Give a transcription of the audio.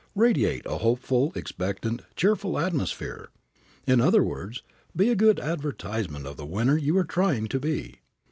Radiate a hopeful, expectant, cheerful atmosphere. In other words, be a good advertisement of the winner you are trying to be.